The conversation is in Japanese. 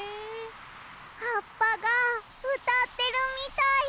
はっぱがうたってるみたい。